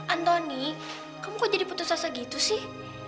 anthony kamu kok jadi putus asa gitu sih